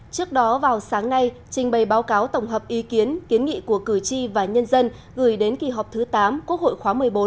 trước đó vào sáng nay trình bày báo cáo tổng hợp ý kiến kiến nghị của cử tri và nhân dân gửi đến kỳ họp thứ tám quốc hội khóa một mươi bốn